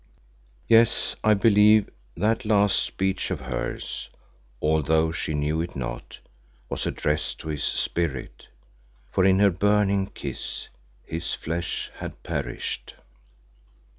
Yes, I believe that last speech of hers, although she knew it not, was addressed to his spirit, for in her burning kiss his flesh had perished.